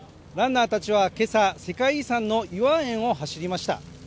ランナーたちはけさ世界遺産の頤和園を走りました